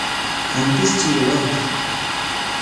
Qampistri aywanki.